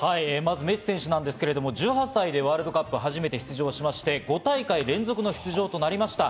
メッシ選手なんですけど、１８歳でワールドカップに初めて出場しまして、５大会連続の出場となりました。